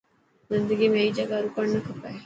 زندگي ۾ هيڪ جڳهه رڪرڻ نه کپي.